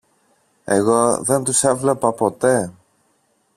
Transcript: Εγώ δεν τους έβλεπα ποτέ.